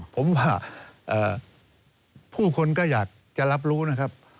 ผมว่าผู้คนก็อยากจะรับรู้นะครับ